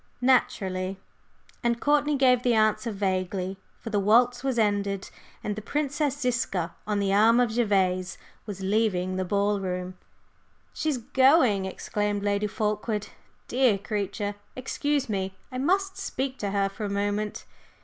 "Naturally." And Courtney gave the answer vaguely, for the waltz was ended, and the Princess Ziska, on the arm of Gervase, was leaving the ball room. "She's going," exclaimed Lady Fulkeward. "Dear creature! Excuse me I must speak to her for a moment."